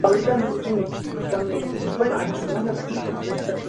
No obstante, no volvió a tener participación pública alguna.